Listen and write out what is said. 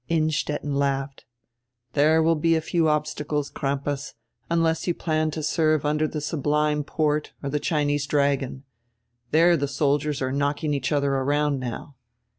Innstetten laughed. "There will be a few obstacles, Crampas, unless you plan to serve under the Sublime Porte or the Chinese dragon. There the soldiers are knocking each other around now.